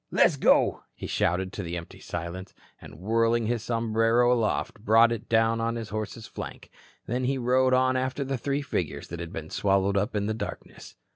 "Let's go," he shouted to the empty silence, and whirling his sombrero aloft, brought it down on his horse's flank. Then he rode on after the three figures that had been swallowed up in the darkness.